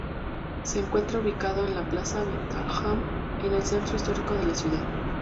Se encuentra ubicado en la plaza Batalha, en el centro histórico de la ciudad.